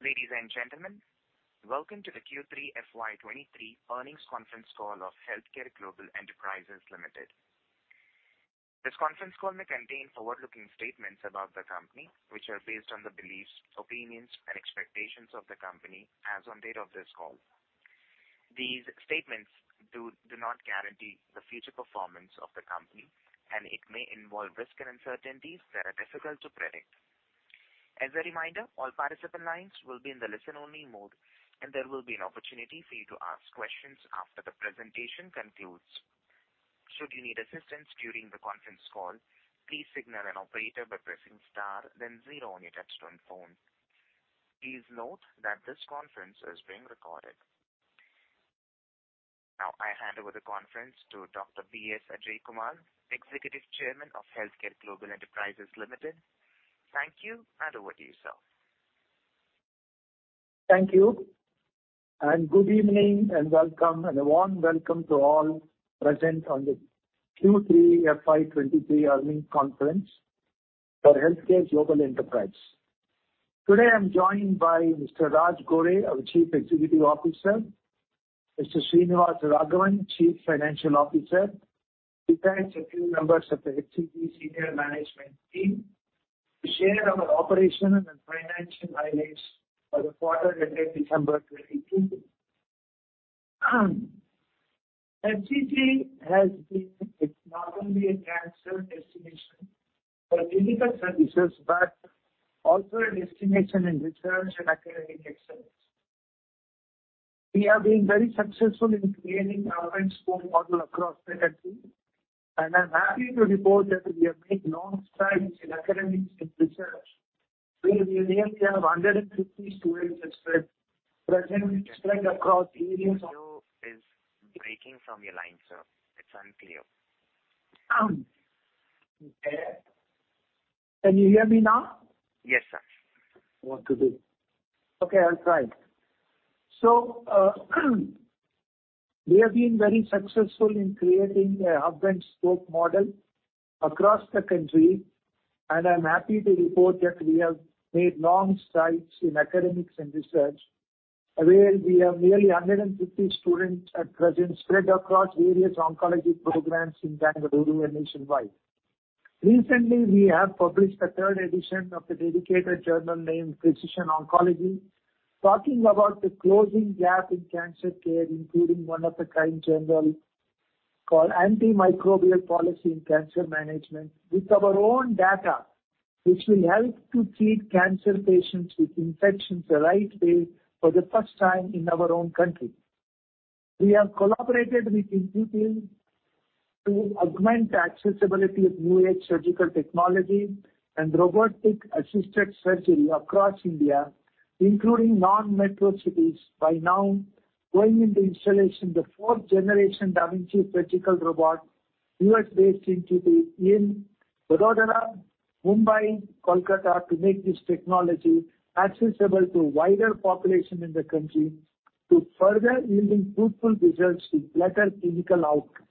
Ladies and gentlemen, welcome to the Q3 FY 2023 earnings conference call of HealthCare Global Enterprises Limited. This conference call may contain forward-looking statements about the company, which are based on the beliefs, opinions and expectations of the company as on date of this call. These statements do not guarantee the future performance of the company. It may involve risks and uncertainties that are difficult to predict. As a reminder, all participant lines will be in the listen-only mode. There will be an opportunity for you to ask questions after the presentation concludes. Should you need assistance during the conference call, please signal an operator by pressing star then 0 on your touch-tone phone. Please note that this conference is being recorded. Now I hand over the conference to Dr. B.S. Ajaikumar, Executive Chairman of HealthCare Global Enterprises Limited. Thank you. Over to you, sir. Thank you, good evening and a warm welcome to all present on the Q3 FY 2023 earnings conference for HealthCare Global Enterprise. Today, I'm joined by Mr. Raj Gore, our Chief Executive Officer; Mr. Srinivasa Raghavan, Chief Financial Officer; besides a few members of the HCG senior management team, to share our operational and financial highlights for the quarter ended December 23. HCG has been not only a cancer destination for clinical services, but also a destination in research and academic excellence. We have been very successful in creating hub-and-spoke model across the country, I'm happy to report that we have made long strides in academics and research, where we nearly have 150 students at present spread across areas of. You is breaking from your line, sir. It's unclear. Can you hear me now? Yes, sir. Okay, good. Okay, I'll try. We have been very successful in creating a hub-and-spoke model across the country, and I'm happy to report that we have made long strides in academics and research, where we have nearly 150 students at present spread across various oncology programs in Bengaluru and nationwide. Recently, we have published the third edition of the dedicated journal named Physician Oncology, talking about the closing gap in cancer care, including one-of-a-kind journal called Antimicrobial Policy in Cancer Management with our own data, which will help to treat cancer patients with infections the right way for the first time in our own country. We have collaborated with institutions to augment the accessibility of new-age surgical technology and robotic-assisted surgery across India, including non-metro cities, by now going into installation the fourth generation da Vinci surgical robot, U.S.-based institute in Vadodara, Mumbai, Kolkata, to make this technology accessible to wider population in the country to further yielding fruitful results with better clinical outcomes.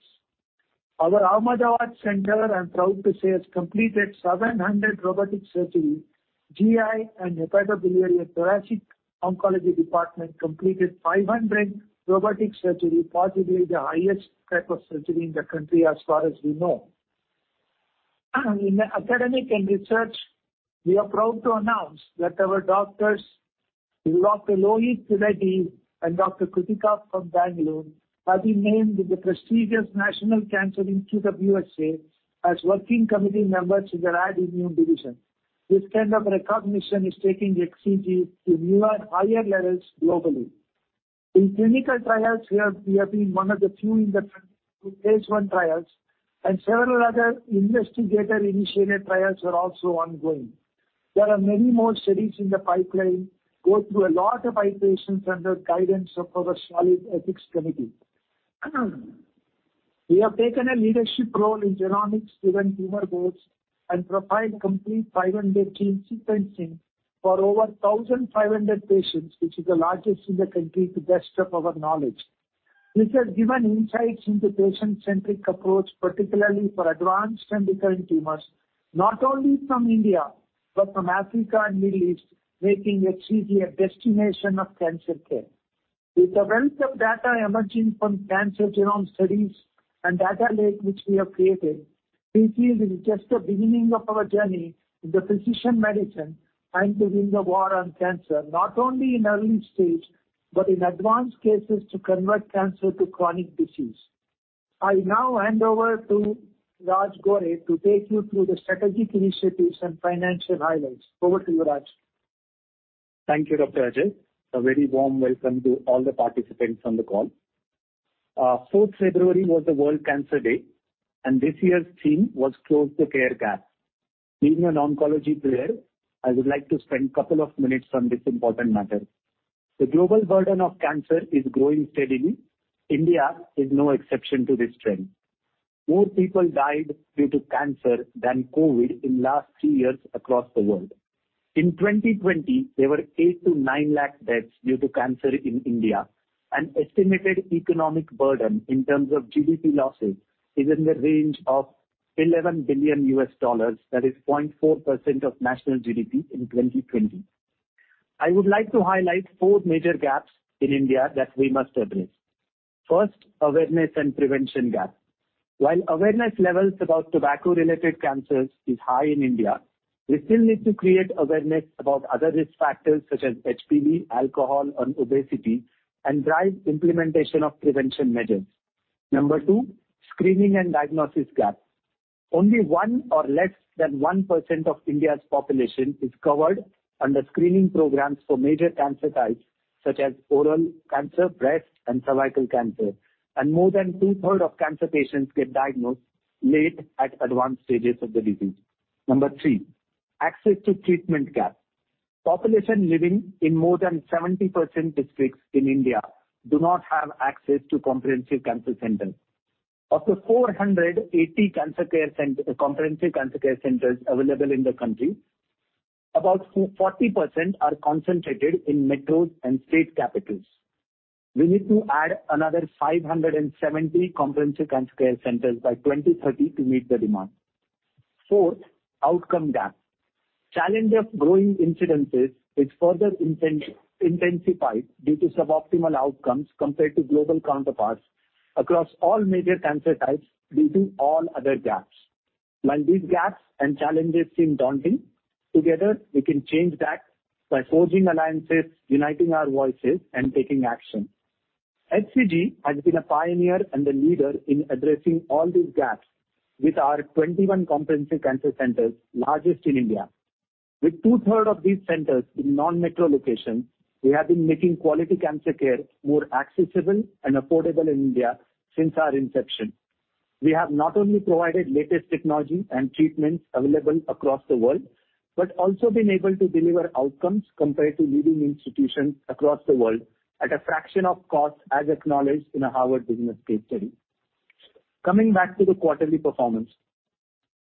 Our Ahmedabad center, I'm proud to say, has completed 700 robotic surgery. GI and Hepatobiliary Thoracic Oncology Department completed 500 robotic surgery, possibly the highest type of surgery in the country as far as we know. In academic and research, we are proud to announce that our doctors, Dr. Lohit Reddy and Dr. Kritika from Bangalore, have been named in the prestigious National Cancer Institute of U.S.A. as working committee members in their immune Division. This kind of recognition is taking HCG to newer, higher levels globally. In clinical trials, we have been one of the few in the phase I trials and several other investigator-initiated trials are also ongoing. There are many more studies in the pipeline, go through a lot of iterations under guidance of our solid ethics committee. We have taken a leadership role in genomics-driven tumor boards and provide complete 500 gene sequencing for over 1,500 patients, which is the largest in the country to best of our knowledge. This has given insights into patient-centric approach, particularly for advanced and recurrent tumors, not only from India, but from Africa and Middle East, making HCG a destination of cancer care. With the wealth of data emerging from cancer genome studies and data lake which we have created, HCG is just the beginning of our journey in the precision medicine and to win the war on cancer, not only in early stage, but in advanced cases to convert cancer to chronic disease. I now hand over to Raj Gore to take you through the strategic initiatives and financial highlights. Over to you, Raj. Thank you, Dr. Ajai. A very warm welcome to all the participants on the call. fourth February was the World Cancer Day, and this year's theme was Close the Care Gap. Being an oncology player, I would like to spend couple of minutes on this important matter. The global burden of cancer is growing steadily. India is no exception to this trend. More people died due to cancer than COVID in last three years across the world. In 2020, there were eight to nine lakh deaths due to cancer in India. An estimated economic burden in terms of GDP losses is in the range of $11 billion, that is 0.4% of national GDP in 2020. I would like to highlight four major gaps in India that we must address. First, awareness and prevention gap. While awareness levels about tobacco-related cancers is high in India, we still need to create awareness about other risk factors such as HPV, alcohol and obesity, and drive implementation of prevention measures. Number two, screening and diagnosis gap. Only one or less than 1% of India's population is covered under screening programs for major cancer types such as oral cancer, breast and cervical cancer. More than 2/3 of cancer patients get diagnosed late at advanced stages of the disease. Number three, access to treatment gap. Population living in more than 70% districts in India do not have access to comprehensive cancer centers. Of the 480 comprehensive cancer care centers available in the country, about 40% are concentrated in metros and state capitals. We need to add another 570 comprehensive cancer care centers by 2030 to meet the demand. Fourth, outcome gap. Challenge of growing incidences is further intensified due to suboptimal outcomes compared to global counterparts across all major cancer types due to all other gaps. While these gaps and challenges seem daunting, together we can change that by forging alliances, uniting our voices and taking action. HCG has been a pioneer and a leader in addressing all these gaps with our 21 comprehensive cancer centers, largest in India. With 2/3 of these centers in non-metro locations, we have been making quality cancer care more accessible and affordable in India since our inception. We have not only provided latest technology and treatments available across the world, but also been able to deliver outcomes compared to leading institutions across the world at a fraction of cost, as acknowledged in a Harvard Business School case study. Coming back to the quarterly performance,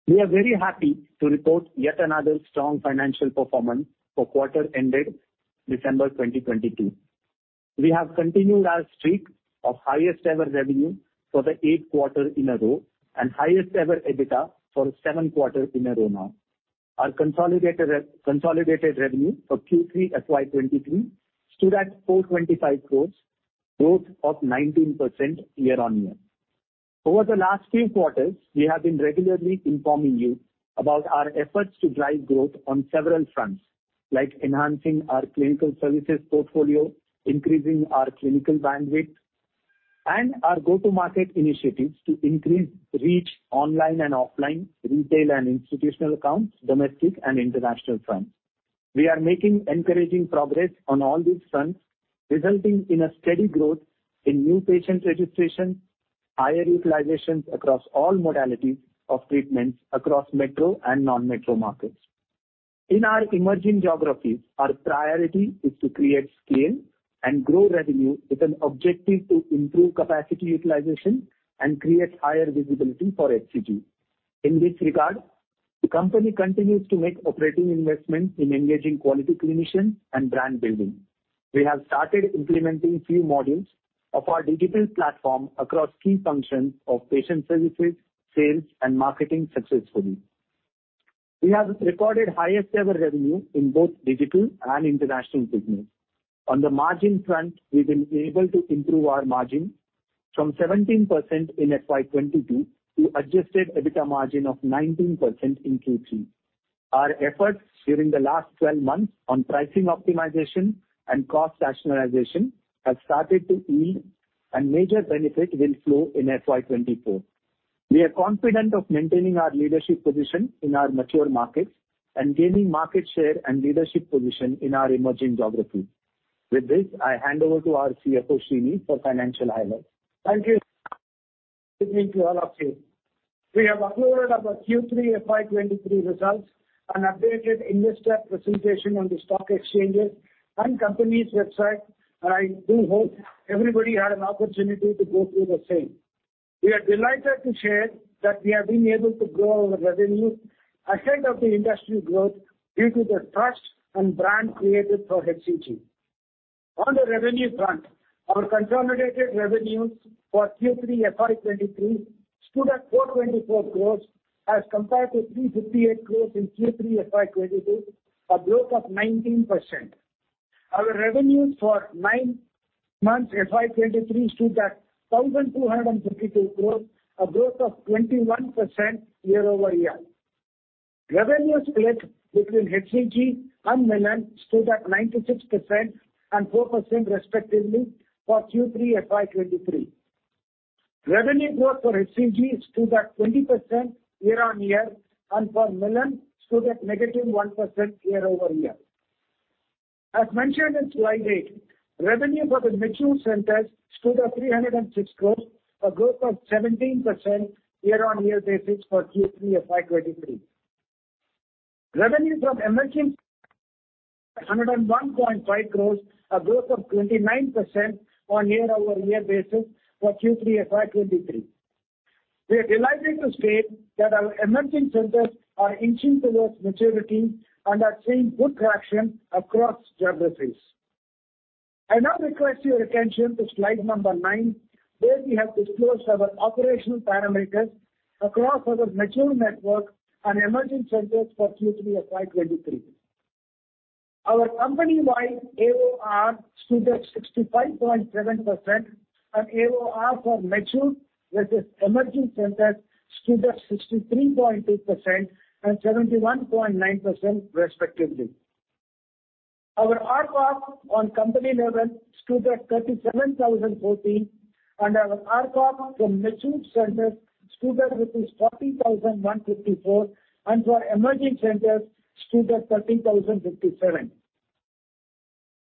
we are very happy to report yet another strong financial performance for quarter ended December 2022. We have continued our streak of highest ever revenue for the eighth quarter in a row and highest ever EBITDA for seven quarter in a row now. Our consolidated revenue for Q3 FY 2023 stood at 425 crores, growth of 19% year-on-year. Over the last few quarters, we have been regularly informing you about our efforts to drive growth on several fronts, like enhancing our clinical services portfolio, increasing our clinical bandwidth, and our go-to-market initiatives to increase reach online and offline, retail and institutional accounts, domestic and international fronts. We are making encouraging progress on all these fronts, resulting in a steady growth in new patient registration, higher utilizations across all modalities of treatments across metro and non-metro markets. In our emerging geographies, our priority is to create scale and grow revenue with an objective to improve capacity utilization and create higher visibility for HCG. In this regard, the company continues to make operating investments in engaging quality clinicians and brand building. We have started implementing few modules of our digital platform across key functions of patient services, sales and marketing successfully. We have recorded highest ever revenue in both digital and international business. On the margin front, we've been able to improve our margin from 17% in FY 2022 to adjusted EBITDA margin of 19% in Q3. Our efforts during the last 12 months on pricing optimization and cost rationalization have started to yield. Major benefit will flow in FY 2024. We are confident of maintaining our leadership position in our mature markets and gaining market share and leadership position in our emerging geographies. With this, I hand over to our CFO, Srini, for financial highlights. Thank you. Good evening to all of you. We have uploaded our Q3 FY 2023 results and updated investor presentation on the stock exchanges and company's website. I do hope everybody had an opportunity to go through the same. We are delighted to share that we have been able to grow our revenue ahead of the industry growth due to the trust and brand created for HCG. On the revenue front, our consolidated revenues for Q3 FY 2023 stood at 424 crores as compared to 358 crores in Q3 FY 2022, a growth of 19%. Our revenues for nine months FY 2023 stood at 1,252 crores, a growth of 21% year-over-year. Revenue split between HCG and Milann stood at 96% and 4% respectively for Q3 FY 2023. Revenue growth for HCG stood at 20% year-on-year and for Milann stood at -1% year-over-year. As mentioned in slide 8, revenue for the mature centers stood at 306 crores, a growth of 17% year-on-year basis for Q3 FY 2023. Revenue from emerging 101.5 crores, a growth of 29% on year-over-year basis for Q3 FY 2023. We are delighted to state that our emerging centers are inching towards maturity and are seeing good traction across geographies. I now request your attention to slide nine, where we have disclosed our operational parameters across our mature network and emerging centers for Q3 FY 2023. Our company-wide AOR stood at 65.7% and AOR for mature versus emerging centers stood at 63.2% and 71.9% respectively. Our ARPOB on company level stood at 37,014, and our ARPOB from mature centers stood at rupees 40,154, and for emerging centers stood at 13,057.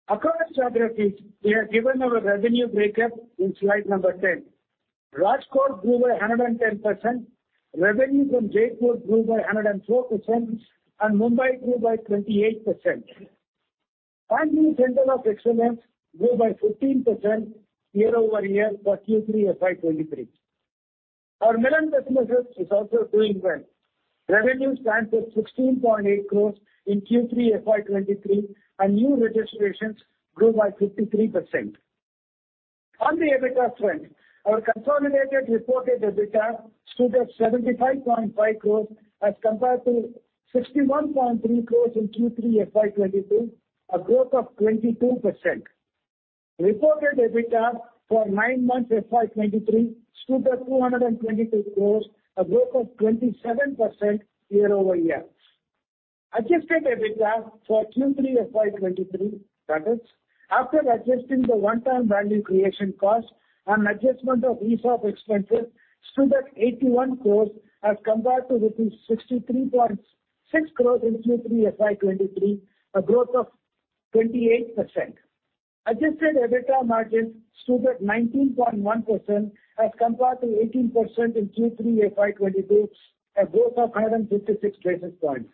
Across geographies, we have given our revenue break up in slide number 10. Rajkot grew by 110%. Revenue from Jaipur grew by 104%, and Mumbai grew by 28%. Our new center of excellence grew by 15% year-over-year for Q3 FY 2023. Our Milann customers is also doing well. Revenue stands at INR 16.8 crores in Q3 FY 2023, and new registrations grew by 53%. On the EBITDA front, our consolidated reported EBITDA stood at 75.5 crores as compared to 61.3 crores in Q3 FY 2022, a growth of 22%. Reported EBITDA for nine months FY 2023 stood at 222 crores, a growth of 27% year-over-year. Adjusted EBITDA for Q3 FY 2023, that is after adjusting the one-time value creation cost and adjustment of ESOP expenses stood at 81 crores as compared to rupees 63.6 crores in Q3 FY 2023, a growth of 28%. Adjusted EBITDA margin stood at 19.1% as compared to 18% in Q3 FY 2022, a growth of 556 basis points.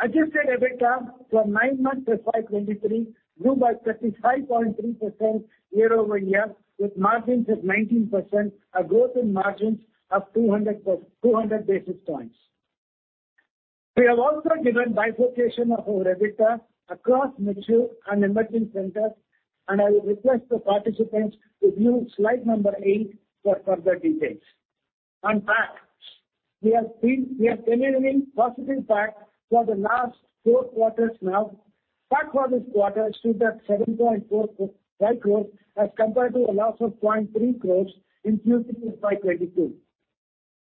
Adjusted EBITDA for nine months FY 2023 grew by 35.3% year-over-year with margins of 19%, a growth in margins of 200 basis points. We have also given bifurcation of our EBITDA across mature and emerging centers. I would request the participants to view slide number eight for further details. On PAT, we have been delivering positive PAT for the last four quarters now. PAT for this quarter stood at 7.45 crores as compared to a loss of 0.3 crores in Q3 FY 2022.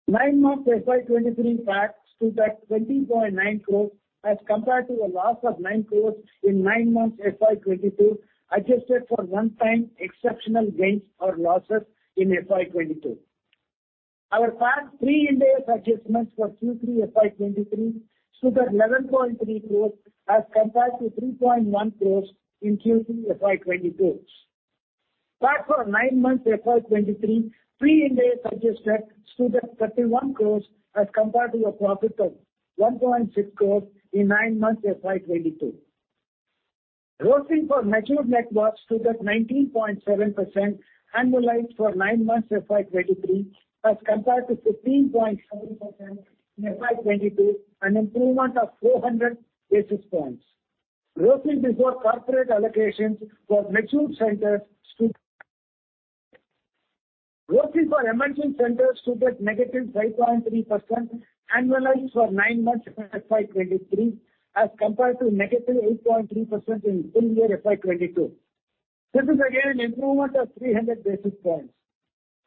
nine months FY 2023 PAT stood at 20.9 crores as compared to a loss of 9 crores in nine months FY 2022, adjusted for one time exceptional gains or losses in FY 2022. Our PAT pre-India adjustments for Q3 FY 2023 stood at INR 11.3 crores as compared to INR 3.1 crores in Q3 FY 2022. PAT for nine months FY 2023 pre-India adjusted stood at 31 crores as compared to a profit of 1.6 crores in nine months FY 2022. ROCE for mature networks stood at 19.7% annualized for nine months FY 2023 as compared to 15.7% in FY 2022, an improvement of 400 basis points. ROCE before corporate allocations for mature centers stood. ROCE for emerging centers stood at -5.3% annualized for nine months FY 2023 as compared to -8.3% in full year FY 2022. This is again an improvement of 300 basis points.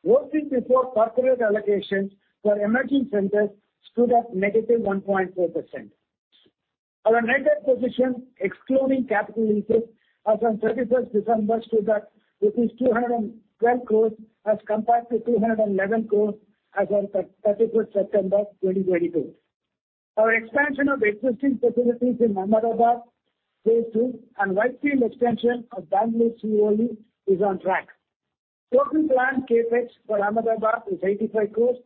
ROCE before corporate allocations for emerging centers stood at -1.4%. Our net debt position excluding capital leases as on 31st December stood at 212 crores as compared to 211 crores as on 31st September 2022. Our expansion of existing facilities in Ahmedabad phase 2 and Whitefield extension of Bangalore COE is on track. Total planned CapEx for Ahmedabad is 85 crores.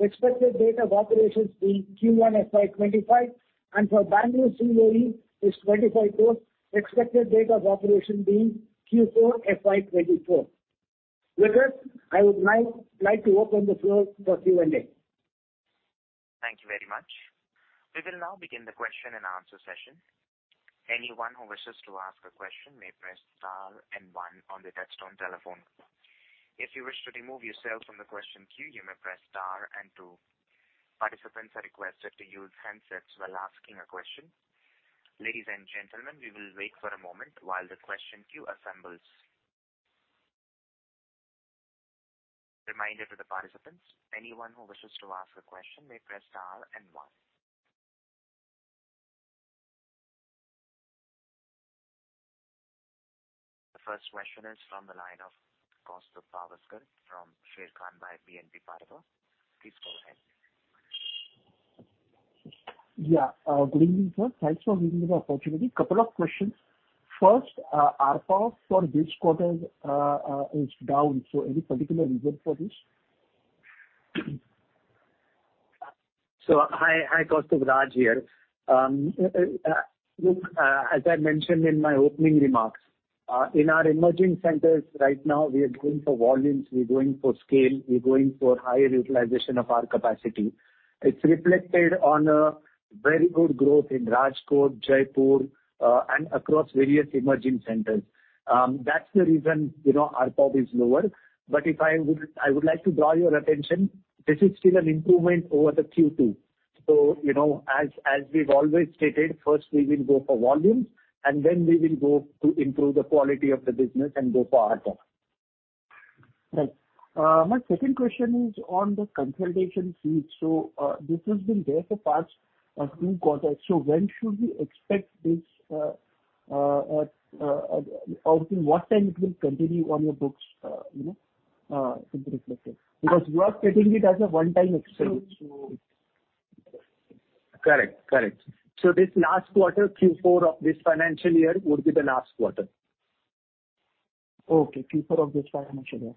Expected date of operations being Q1 FY 2025, and for Bangalore COE is 25 crores. Expected date of operation being Q4 FY 2024. With this, I would now like to open the floor for Q&A. Thank you very much. We will now begin the question and answer session. Anyone who wishes to ask a question may press star and 1 on the touchtone telephone. If you wish to remove yourself from the question queue, you may press star and 2. Participants are requested to use handsets while asking a question. Ladies and gentlemen, we will wait for a moment while the question queue assembles. Reminder to the participants, anyone who wishes to ask a question may press star and 1. The first question is from the line of Kaustubh Pawaskar from Sharekhan by BNP Paribas. Please go ahead. Yeah. Good evening, sir. Thanks for giving me the opportunity. Couple of questions. First, ARPOB for this quarter, is down. Any particular reason for this? hi Kaustubh. Raj here. look, as I mentioned in my opening remarks... In our emerging centers right now, we are going for volumes, we're going for scale, we're going for higher utilization of our capacity. It's reflected on a very good growth in Rajkot, Jaipur, and across various emerging centers. That's the reason, you know, ARPOB is lower. I would like to draw your attention, this is still an improvement over the Q2. You know, as we've always stated, first we will go for volumes, and then we will go to improve the quality of the business and go for ARPOB. Right. My second question is on the consultation fees. This has been there for past two quarters. When should we expect this or till what time it will continue on your books, you know, to be reflected? Because you are stating it as a one-time expense. Correct. Correct. This last quarter, Q4 of this financial year would be the last quarter. Okay. Q4 of this financial year.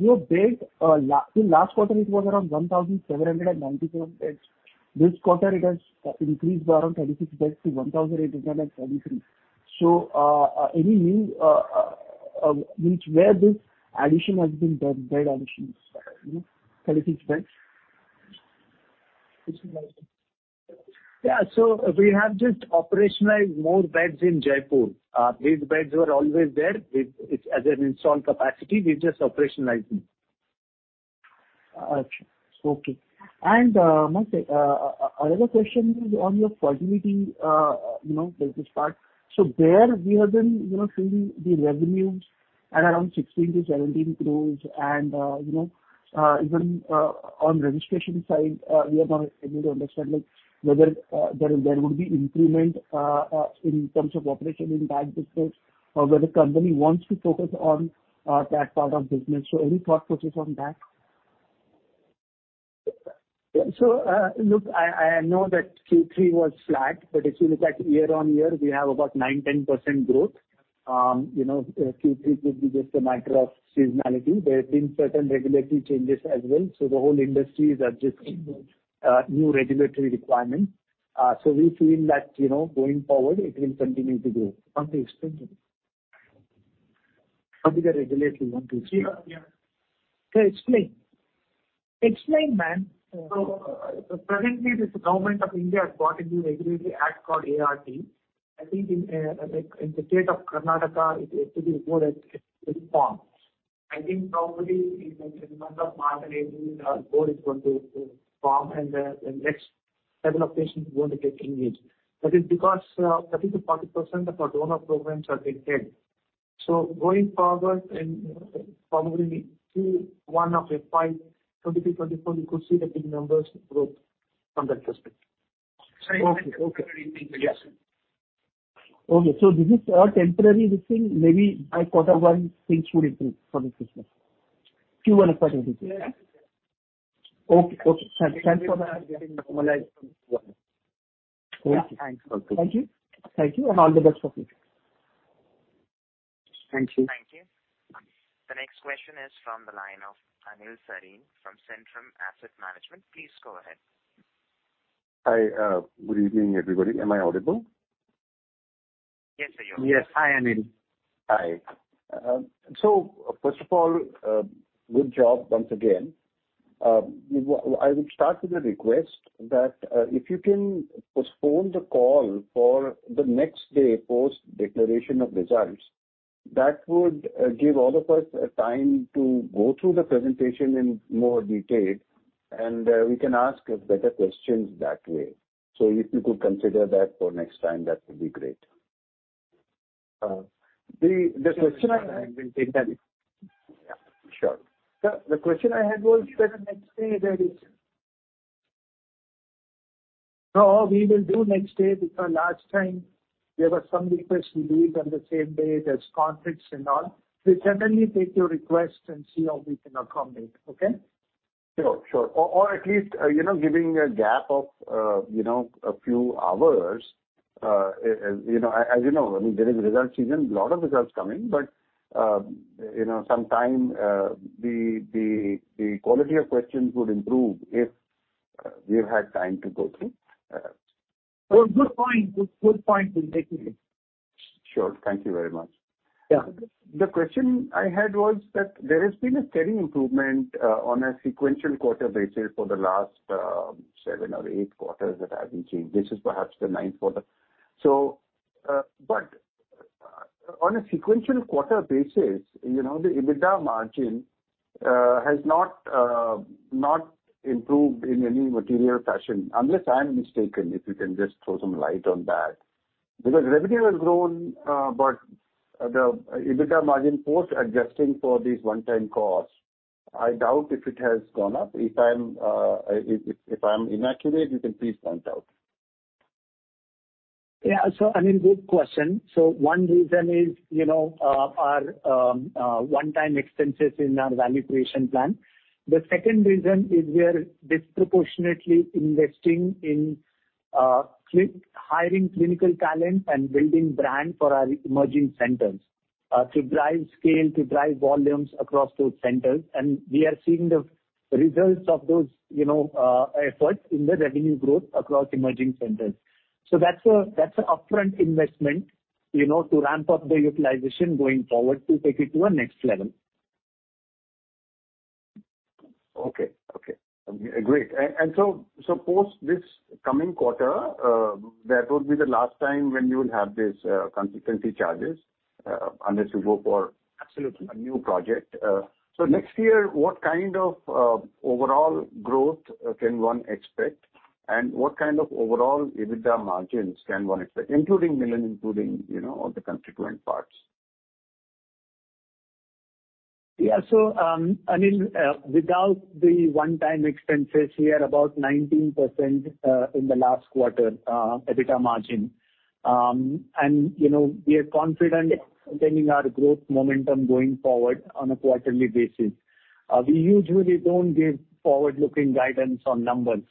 Your base, last quarter it was around 1,794 beds. This quarter, it has increased by around 36 beds to 1,833. Any news, which where this addition has been done, bed additions, you know, 36 beds? We have just operationalized more beds in Jaipur. These beds were always there. It's as an installed capacity. We just operationalized them. Okay. My another question is on your fertility, you know, business part. There we have been, you know, seeing the revenues at around 16-17 crores. Even, you know, on registration side, we are not able to understand, like, whether there would be improvement in terms of operation in that business or whether company wants to focus on that part of business. Any thought process on that? look, I know that Q3 was flat, but if you look at year-on-year, we have about 9%-10% growth. you know, Q3 could be just a matter of seasonality. There has been certain regulatory changes as well. The whole industry is adjusting, new regulatory requirements. We feel that, you know, going forward it will continue to grow. What is expensive? What is the regulatory you want to explain? Yeah. Yeah. Explain. Explain, man. Presently this Government of India has brought a new regulatory act called ART. I think in like in the state of Karnataka, it has to be board has to be formed. I think probably in the month of March or April, our board is going to form and the next set of patients are going to get engaged. That is because 30%-40% of our donor programs are being held. Going forward in probably Q1 of FY 2023-2024, you could see the big numbers growth from that perspective. Sorry. Okay. This is a temporary thing. Maybe by quarter one things would improve for this business. Q1 of 2023. Okay. Okay. Thanks for that. Thanks. Thank you. Thank you. All the best for future. Thank you. Thank you. The next question is from the line of Anil Sarin from Centrum Asset Management. Please go ahead. Hi. good evening, everybody. Am I audible? Yes, sir, you are. Yes. Hi, Anil. Hi. First of all, good job once again. I would start with a request that if you can postpone the call for the next day post declaration of results, that would give all of us a time to go through the presentation in more detail, and we can ask better questions that way. If you could consider that for next time, that would be great. The question I had. Yeah, sure. The question I had was whether next day there is. No, we will do next day because last time there were some requests we did on the same day, there's conflicts and all. We certainly take your request and see how we can accommodate. Okay? Sure, sure. At least, you know, giving a gap of, you know, a few hours, you know, as you know, I mean, there is result season, lot of results coming, but, you know, some time, the quality of questions would improve if we've had time to go through. Well, good point. Good point. We'll take a note. Sure. Thank you very much. Yeah. The question I had was that there has been a steady improvement, on a sequential quarter basis for the last, seven or eight quarters that I've been seeing. This is perhaps the ninth quarter. But on a sequential quarter basis, you know, the EBITDA margin, has not improved in any material fashion, unless I'm mistaken. If you can just throw some light on that. Revenue has grown, but the EBITDA margin post adjusting for these one-time costs, I doubt if it has gone up. If I'm inaccurate, you can please point out. Yeah. I mean, good question. One reason is, you know, our one-time expenses in our value creation plan. The second reason is we are disproportionately investing in hiring clinical talent and building brand for our emerging centers. To drive scale, to drive volumes across those centers. We are seeing the results of those, you know, efforts in the revenue growth across emerging centers. That's a, that's a upfront investment, you know, to ramp up the utilization going forward to take it to a next level. Okay. Okay. Great. Post this coming quarter, that will be the last time when you will have these, occupancy charges, unless you go. Absolutely. -a new project. Yes. Next year, what kind of overall growth can one expect? What kind of overall EBITDA margins can one expect, including Milann, including, you know, all the constituent parts? I mean, without the one-time expenses, we are about 19% in the last quarter EBITDA margin. You know, we are confident maintaining our growth momentum going forward on a quarterly basis. We usually don't give forward-looking guidance on numbers.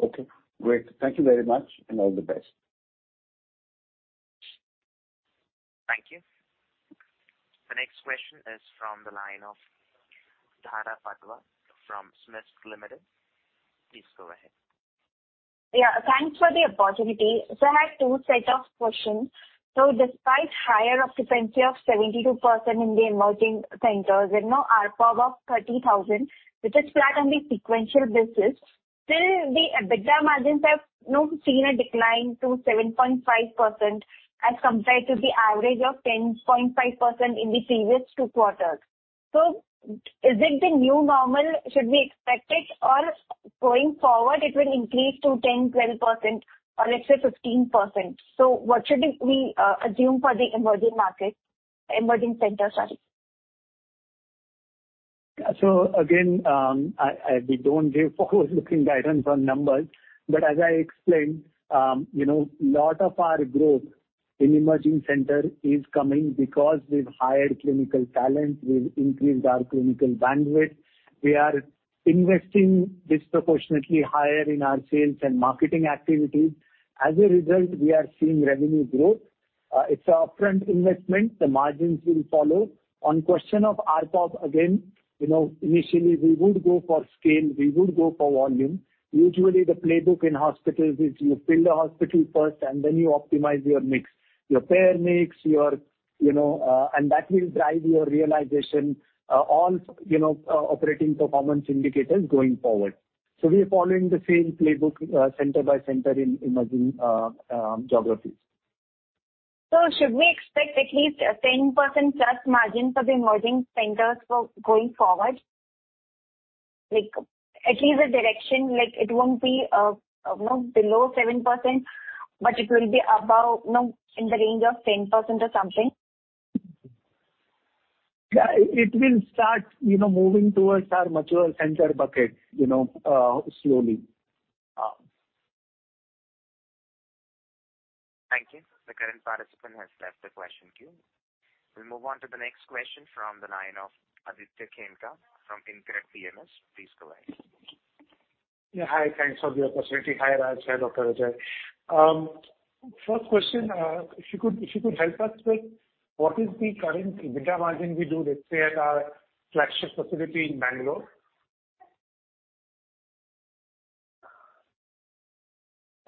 Okay, great. Thank you very much, and all the best. Thank you. The next question is from the line of Dhara Patwa from SMIFS Limited. Please go ahead. Yeah, thanks for the opportunity. I have two set of questions. Despite higher occupancy of 72% in the emerging centers and now ARPOB of 30,000, which is flat on the sequential basis, still the EBITDA margins have now seen a decline to 7.5% as compared to the average of 10.5% in the previous two quarters. Is it the new normal should be expected, or going forward it will increase to 10%, 12% or let's say 15%? What should we assume for the emerging markets, emerging centers, sorry? Again, I, we don't give forward-looking guidance on numbers. As I explained, you know, lot of our growth in emerging center is coming because we've hired clinical talent. We've increased our clinical bandwidth. We are investing disproportionately higher in our sales and marketing activities. As a result, we are seeing revenue growth. It's a upfront investment. The margins will follow. On question of ARPOB, again, you know, initially we would go for scale, we would go for volume. Usually the playbook in hospitals is you fill the hospital first, and then you optimize your mix, your payer mix, your, you know. That will drive your realization, all, you know, operating performance indicators going forward. We are following the same playbook, center by center in emerging geographies. should we expect at least a 10% plus margin for the emerging centers for going forward? Like, at least a direction, like it won't be, you know, below 7%, but it will be above, you know, in the range of 10% or something. Yeah, it will start, you know, moving towards our mature center bucket, you know, slowly. Uh. Thank you. The current participant has left the question queue. We'll move on to the next question from the line of Aditya Khemka from InCred PMS. Please go ahead. Yeah, hi. Thanks for the opportunity. Hi, Raj. Hi, Dr. Vijay. First question, if you could help us with what is the current EBITDA margin we do, let's say at our flagship facility in Bangalore?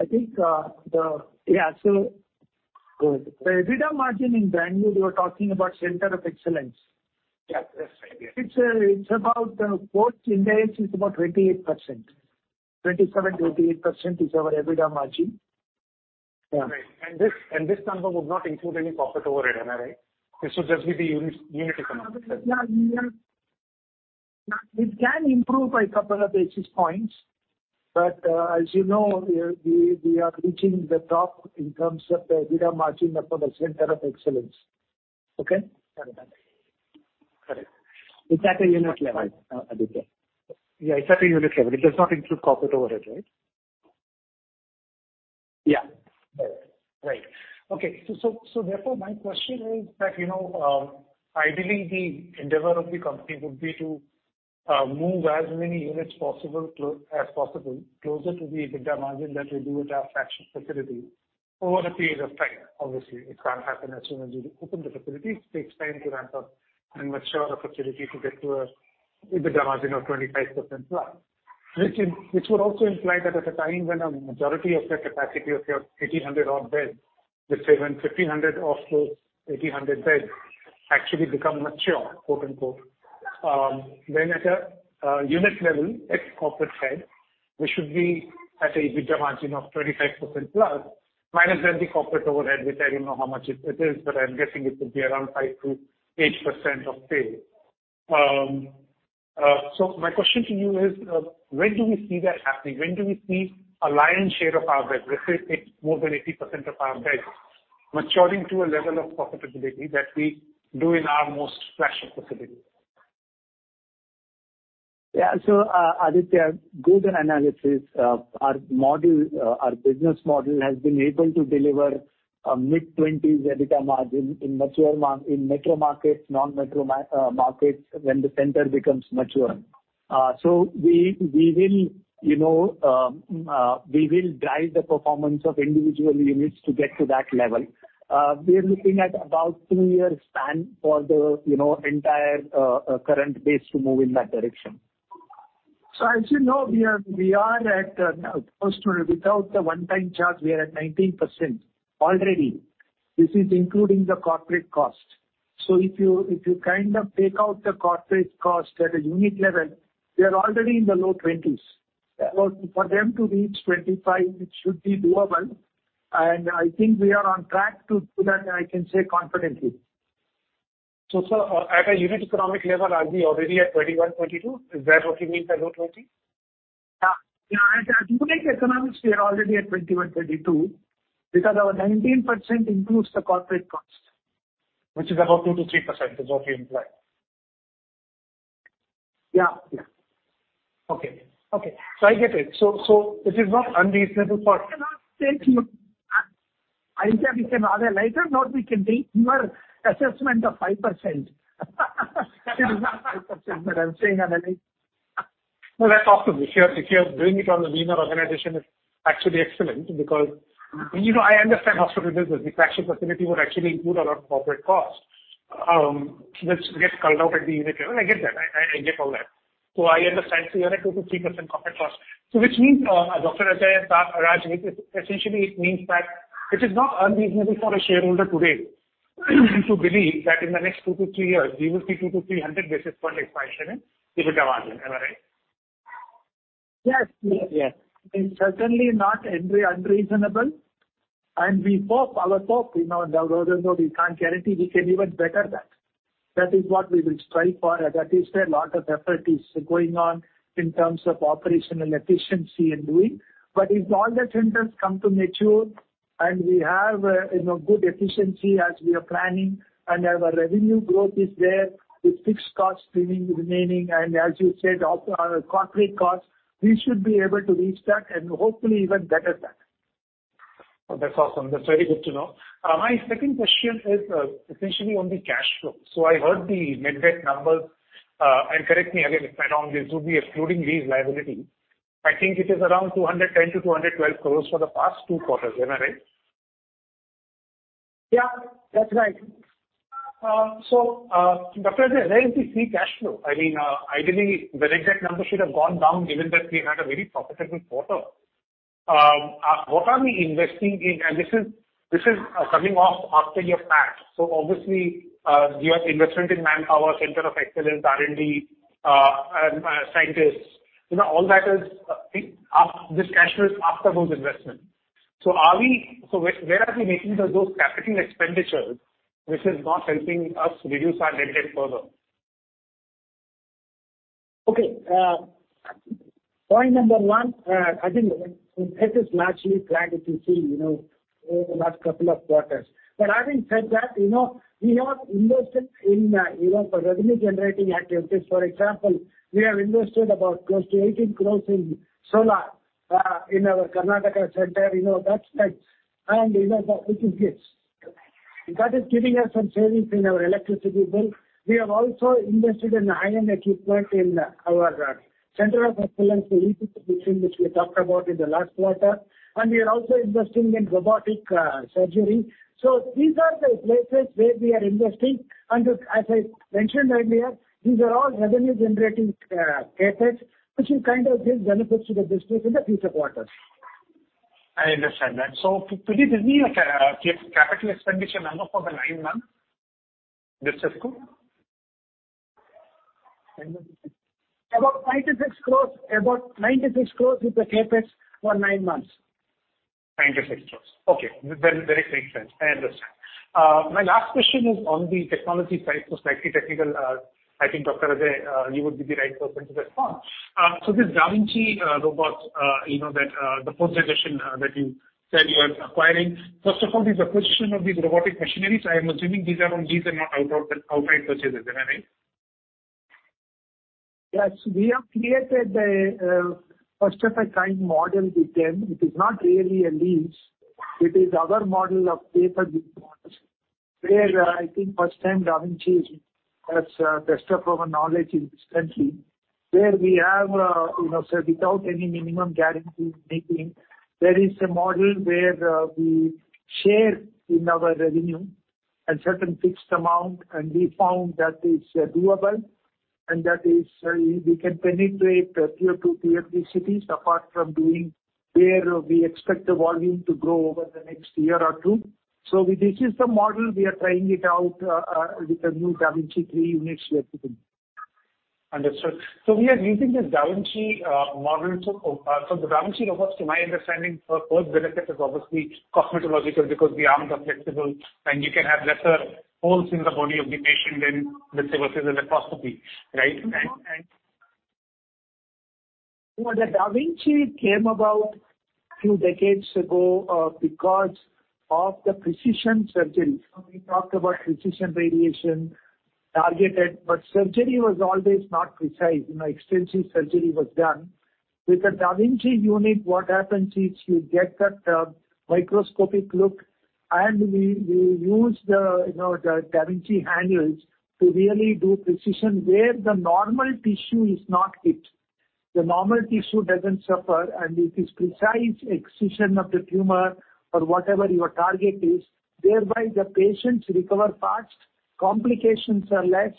I think, the... Yeah. Go ahead. The EBITDA margin in Bangalore, you are talking about center of excellence. Yeah. That's right. Yeah. It's, you know, quote in there is about 28%. 27%-28% is our EBITDA margin. Right. And this number would not include any corporate overhead, am I right? This would just be the unit economics. Yeah. Yeah. It can improve by a couple of basis points. As you know, we are reaching the top in terms of the EBITDA margin for the center of excellence. Okay? Got it. Got it. It's at a unit level, Aditya. Yeah, it's at a unit level. It does not include corporate overhead, right? Yeah. Right. Right. Okay. Therefore my question is that, you know, ideally the endeavor of the company would be to move as many units as possible closer to the EBITDA margin that we do at our flagship facility over a period of time. Obviously, it can't happen as soon as you open the facilities. It takes time to ramp up and mature a facility to get to an EBITDA margin of 25% plus. Which would also imply that at a time when a majority of the capacity of your 1,800 odd beds, let's say when 1,500 of those 1,800 beds actually become mature, quote-unquote, then at a unit level, ex corporate head, we should be at an EBITDA margin of 25% ± then the corporate overhead, which I don't know how much it is, but I'm guessing it would be around 5%-8% of pay. My question to you is, when do we see that happening? When do we see a lion's share of our beds, let's say it's more than 80% of our beds maturing to a level of profitability that we do in our most flagship facility? Yeah. Aditya, good analysis. Our model, our business model has been able to deliver a mid-20s EBITDA margin in mature metro markets, non-metro markets when the center becomes mature. We will, you know, we will drive the performance of individual units to get to that level. We are looking at about three years span for the, you know, entire current base to move in that direction. As you know, we are at close to without the one-time charge, we are at 19% already. This is including the corporate cost. If you kind of take out the corporate cost at a unit level, we are already in the low 20%s. Yeah. For them to reach 25%, it should be doable. I think we are on track to do that, I can say confidently. Sir, at a unit economic level, are we already at 21%, 22%? Is that what you mean by low 20%? Yeah. Yeah. At the unit economics, we are already at 21%, 22% because our 19% includes the corporate cost. Which is about 2%-3% is what we imply. Yeah, yeah. Okay. Okay. I get it. This is not unreasonable. No, no. Thank you. I think we can have a lighter note. We can take your assessment of 5%. It is not 5%, but I'm saying No, that's awesome. If you're doing it on the leaner organization, it's actually excellent because, you know, I understand hospital business. The fracture facility would actually include a lot of corporate costs, which gets culled out at the unit level. I get that. I get all that. I understand you're at 2%-3% corporate cost. Which means, Dr. Ajai, Raj, it essentially means that it is not unreasonable for a shareholder today to believe that in the next two to three years we will see 200-300 basis point expansion in EBITDA margin. Am I right? Yes. Yes. Yes. It's certainly not unreasonable. We hope, our hope, you know, though we can't guarantee we can even better that. That is what we will strive for, and at least a lot of effort is going on in terms of operational efficiency and doing. If all the centers come to mature and we have a, you know, good efficiency as we are planning and our revenue growth is there, the fixed costs remaining, and as you said, our corporate costs, we should be able to reach that and hopefully even better that. Oh, that's awesome. That's very good to know. My second question is, essentially on the cash flow. I heard the net debt number, and correct me again if I'm wrong, this would be excluding these liabilities. I think it is around 210-212 crores for the past two quarters. Am I right? Yeah, that's right. Dr. Ajai, where is the free cash flow? I mean, ideally the net debt number should have gone down given that we have had a very profitable quarter. What are we investing in? This is coming off after your tax. Obviously, we have investment in manpower, center of excellence, R&D, scientists. You know, all that is, this cash flow is after those investments. Where are we making those capital expenditures which is not helping us reduce our net debt further? Okay. Point number one, I think it is largely flat if you see, you know, over the last couple of quarters. Having said that, you know, we have invested for revenue generating activities. For example, we have invested about close to 18 crores in solar in our Karnataka center. You know, that's that. Which is this. That is giving us some savings in our electricity bill. We have also invested in Iridium equipment in our center of excellence for 52 which we talked about in the last quarter. We are also investing in robotic surgery. These are the places where we are investing. As I mentioned earlier, these are all revenue generating CapEx, which will kind of give benefits to the business in the future quarters. I understand that. Could you give me like a capital expenditure number for the nine months? This fiscal. About 96 crores. About 96 crores is the CapEx for nine months. 96 crores. Okay. Very, very clear sense. I understand. My last question is on the technology side, so slightly technical. I think Dr. Ajai, you would be the right person to respond. This da Vinci robot, you know, that the presentation that you said you are acquiring. First of all, is the acquisition of these robotic machineries. I am assuming these are on lease and not out of the outside purchases. Am I right? Yes. We have created a first of a kind model with them. It is not really a lease. It is our model of pay per use models, where, I think first time da Vinci is, has, best of our knowledge in this country. Where we have, you know, say without any minimum guarantee making, there is a model where, we share in our revenue a certain fixed amount, and we found that is doable and that is, we can penetrate tier 2, tier 3 cities apart from doing where we expect the volume to grow over the next year or two. This is the model. We are trying it out with the new da Vinci 3 units we are putting. Understood. We are using the da Vinci model. The da Vinci robots, to my understanding, first benefit is obviously cosmetological because the arms are flexible and you can have lesser holes in the body of the patient than, let's say versus a laparoscopy. Right? The da Vinci came about two decades ago because of the precision surgery. We talked about precision radiation targeted, but surgery was always not precise. You know, extensive surgery was done. With the da Vinci unit, what happens is you get that microscopic look, and we use the, you know, the da Vinci handles to really do precision where the normal tissue is not hit. The normal tissue doesn't suffer, and it is precise excision of the tumor or whatever your target is. Thereby, the patients recover fast, complications are less.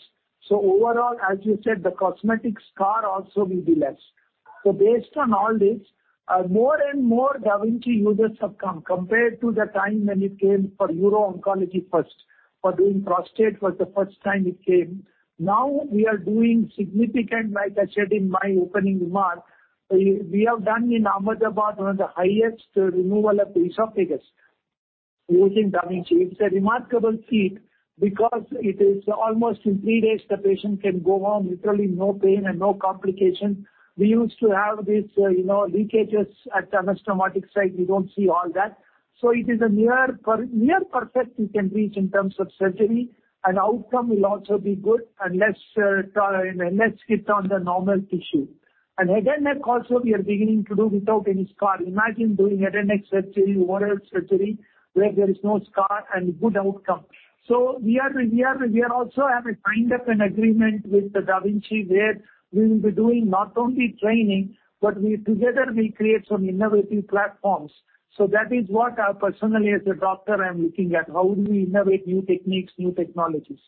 Overall, as you said, the cosmetic scar also will be less. Based on all this, more and more da Vinci users have come compared to the time when it came for oncology first. For doing prostate was the first time it came. We are doing significant... Like I said in my opening remark, we have done in Ahmedabad one of the highest removal of esophagus using da Vinci. It is a remarkable feat because it is almost in three days the patient can go home, literally no pain and no complication. We used to have these, you know, leakages at anastomotic site. We don't see all that. It is a near perfect you can reach in terms of surgery and outcome will also be good and less scar and less hit on the normal tissue. Hernia also we are beginning to do without any scar. Imagine doing hernia surgery, oral surgery where there is no scar and good outcome. We also have a kind of an agreement with the da Vinci, where we will be doing not only training, but we together will create some innovative platforms. That is what I personally as a doctor am looking at. How do we innovate new techniques, new technologies?